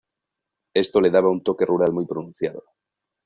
Esto le daba un toque rural muy pronunciado.